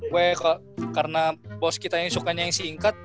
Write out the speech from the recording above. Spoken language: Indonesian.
weh karena bos kita ini sukanya yang singkat